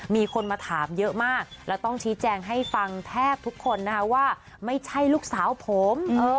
มีคนมาถามเยอะมากแล้วต้องชี้แจงให้ฟังแทบทุกคนนะคะว่าไม่ใช่ลูกสาวผม